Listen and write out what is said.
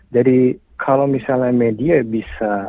jadi kalau misalnya media bisa